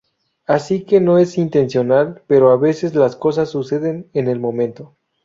Así que no es intencional, pero a veces las cosas suceden en el momento".